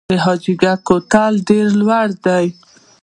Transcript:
د حاجي ګک کوتل ډیر لوړ دی